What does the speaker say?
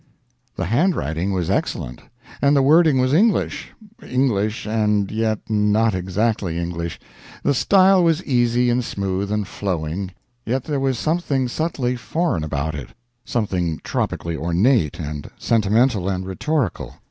The handwriting was excellent, and the wording was English English, and yet not exactly English. The style was easy and smooth and flowing, yet there was something subtly foreign about it something tropically ornate and sentimental and rhetorical.